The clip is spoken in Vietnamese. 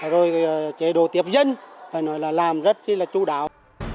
rồi chế độ tiếp dân phải nói là làm rất là chú đáo